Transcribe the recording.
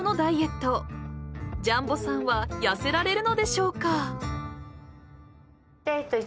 ［ジャンボさんは痩せられるのでしょうか？］